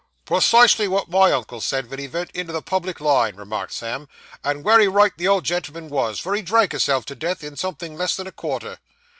'Precisely what my uncle said, ven he vent into the public line,' remarked Sam, 'and wery right the old gen'l'm'n wos, for he drank hisself to death in somethin' less than a quarter.